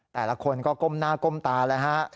แต่ละคนก็ก้มหน้าก้มตาเลยฮะ